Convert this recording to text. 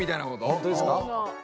本当ですか？